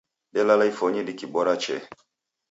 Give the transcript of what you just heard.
Delala ifonyi dikibora chee